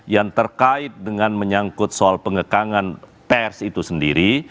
yang terkait dengan menyangkut soal pengekangan pers itu sendiri